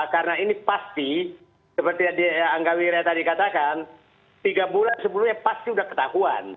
karena ini pasti seperti yang dianggap wira tadi katakan tiga bulan sebelumnya pasti sudah ketahuan